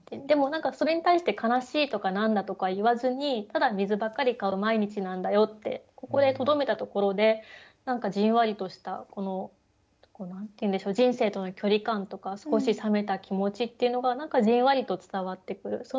でもそれに対して悲しいとか何だとか言わずにただ水ばっかり買う毎日なんだよってここでとどめたところで何かじんわりとしたこの何て言うんでしょう人生との距離感とか少しさめた気持ちっていうのがじんわりと伝わってくる。